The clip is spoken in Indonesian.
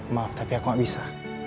maaf tapi aku gak bisa